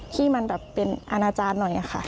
ที่มันแบบเป็นอาณาจารย์หน่อยค่ะ